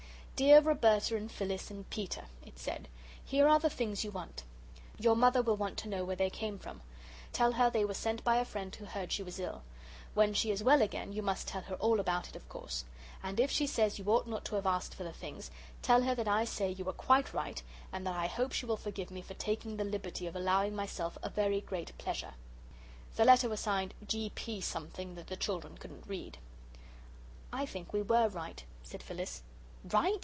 "Dear Roberta and Phyllis and Peter," it said; "here are the things you want. Your mother will want to know where they came from. Tell her they were sent by a friend who heard she was ill. When she is well again you must tell her all about it, of course. And if she says you ought not to have asked for the things, tell her that I say you were quite right, and that I hope she will forgive me for taking the liberty of allowing myself a very great pleasure." The letter was signed G. P. something that the children couldn't read. "I think we WERE right," said Phyllis. "Right?